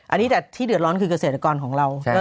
อันนี้แต่ที่เดือดร้อนคือเกษตรกรของเรา